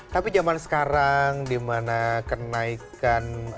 tapi zaman sekarang di mana kenaikan